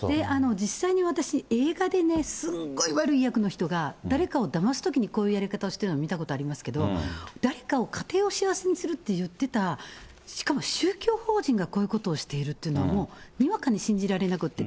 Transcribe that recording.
実際に私、映画でね、すんごい悪い役の人が、誰かをだますときに、こういうやり方をしているの見たことありますけど、誰かを家庭を幸せにするって言ってた、しかも宗教法人がこういうことをしているというのはもう、にわかに信じられなくて。